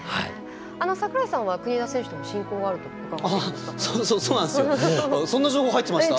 櫻井さんは国枝選手との親交があると伺っていますが。